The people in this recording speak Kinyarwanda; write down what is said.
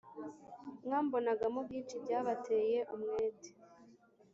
Mwambonagamo byinshi Byabateye umwete